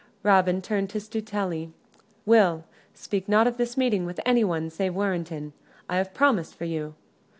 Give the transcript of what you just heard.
Robin turned to Stuteley. "Will, speak not of this meeting with anyone save Warrenton. I have promised for you."